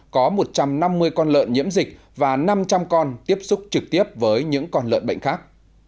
có một trăm năm mươi con lợn nhiễm dịch và năm trăm linh con tiếp xúc trực tiếp với những con lợn bệnh khác